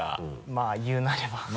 まぁ言うなれば